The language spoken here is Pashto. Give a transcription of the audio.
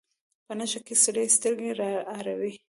په نشه کې سرې سترګې رااړوي.